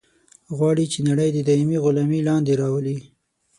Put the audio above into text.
غواړي چې نړۍ د دایمي غلامي لاندې راولي.